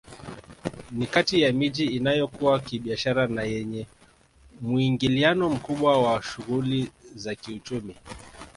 Ni kati ya miji inayokua kibiashara na yenye muingiliano mkubwa wa shughuli za kiuchumi